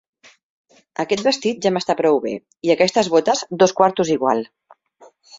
Aquest vestit ja m’està prou bé, i aquestes botes dos quartos igual.